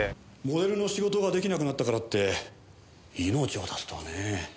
モデルの仕事が出来なくなったからって命を絶つとはね。